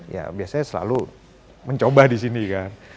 ya biasanya selalu mencoba di sini kan